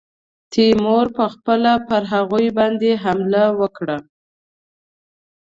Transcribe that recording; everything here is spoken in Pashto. تیمور پخپله پر هغوی باندي حمله وکړه.